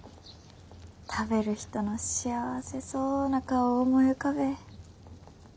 食べる人の幸せそうな顔を思い浮かべえ。